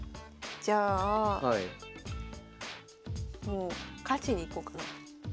もう勝ちにいこうかな。